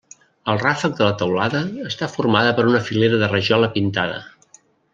El ràfec de la teulada està formada per una filera de rajola pintada.